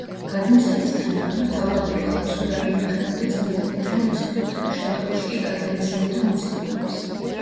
გადმოცემის თანახმად, თავდაპირველად სუდარა ინახებოდა წმინდა პეტრე მოციქულთან, შემდგომში კი გადაეცემოდა მოციქულებს.